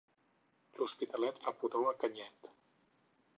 L'Hospitalet fa pudor de canyet.